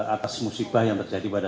atas musibah yang terjadi pada